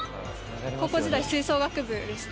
高校時代吹奏楽部でした。